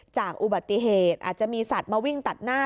จากอุบัติเหตุอาจจะมีสัตว์มาวิ่งตัดหน้า